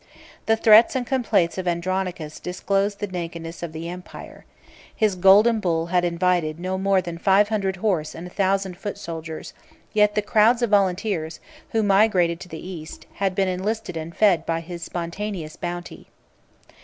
The threats and complaints of Andronicus disclosed the nakedness of the empire. His golden bull had invited no more than five hundred horse and a thousand foot soldiers; yet the crowds of volunteers, who migrated to the East, had been enlisted and fed by his spontaneous bounty.